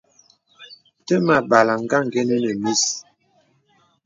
Təmà àbàlàŋ ngà àngənə́ nə mís.